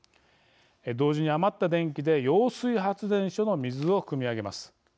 同時に余った電気で揚水発電所の水をくみ上げます。